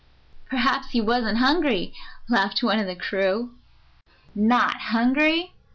"Perhaps he wasn't hungry," laughed one of the crew. "Not hungry?